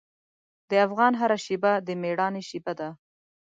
د افغان هره شېبه د میړانې شېبه ده.